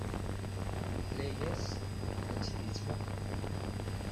Layes ad tt-id-ittemuqul.